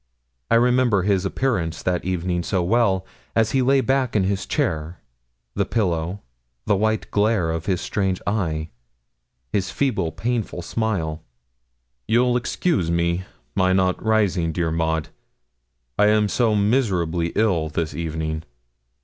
I remember his appearance that evening so well, as he lay back in his chair; the pillow; the white glare of his strange eye; his feeble, painful smile. 'You'll excuse my not rising, dear Maud, I am so miserably ill this evening.'